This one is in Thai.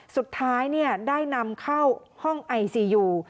สุดท้ายได้นำเข้าห้องไอซียู